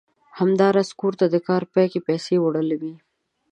همداسې کور ته د کار پای کې پيسې وړل وي.